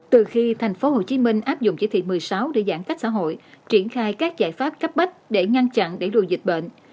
từ khi tp hcm áp dụng chỉ thị một mươi sáu để giãn cách xã hội triển khai các giải pháp cấp bách để ngăn chặn đẩy lùi dịch bệnh